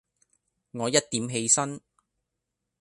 我一點起身